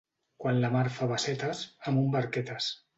Quan la mar fa bassetes, amunt barquetes.